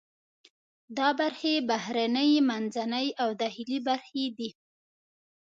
دا برخې بهرنۍ، منځنۍ او داخلي برخې دي.